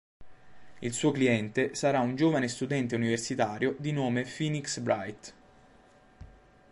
Il suo cliente sarà un giovane studente universitario di nome Phoenix Wright.